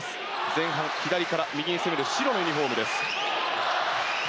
前半、左から右に攻める白のユニホームです。